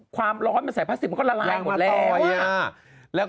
ความร้อนมันใส่พลาสติกมันก็ละลายหมดเลย